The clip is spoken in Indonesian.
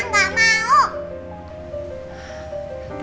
rena gak mau